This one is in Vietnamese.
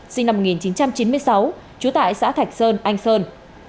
sinh năm một nghìn chín trăm chín mươi sáu trú tại xã thạch sơn anh sơn